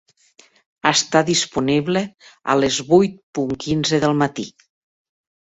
Està disponible a les vuit punt quinze del matí.